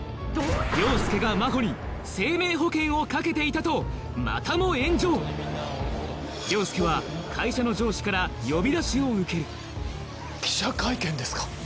凌介が真帆に生命保険をかけていたとまたも炎上凌介は会社の上司から呼び出しを受ける記者会見ですか？